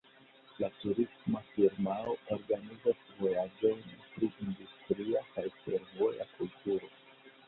La turista firmao organizas vojaĝojn pri industria kaj fervoja kulturo.